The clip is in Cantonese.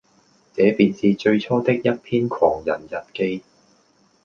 這便是最初的一篇《狂人日記》。